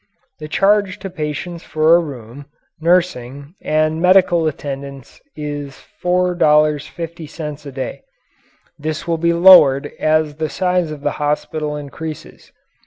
The charge to patients for a room, nursing, and medical attendance is $4.50 a day. This will be lowered as the size of the hospital increases.